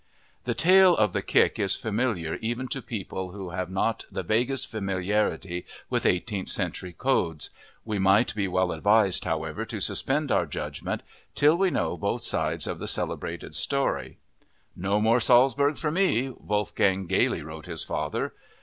The tale of the kick is familiar even to people who have not the vaguest familiarity with eighteenth century codes. We might be well advised, however, to suspend our judgment till we know both sides of the celebrated story. "No more Salzburg for me!" Wolfgang gaily wrote his father.